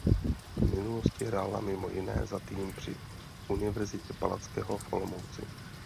V minulosti hrála mimo jiné za tým při Univerzitě Palackého v Olomouci.